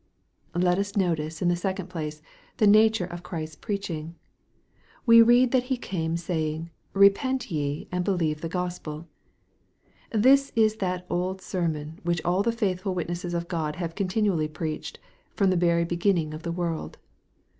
Let us notice, in the second place, the nature of Christ's preaching. We read that he came saying, " Repent ye, and believe the Gospel." This is that old sermon which all the faithful witnesses of God have continually preached, from the very begin ning of the world.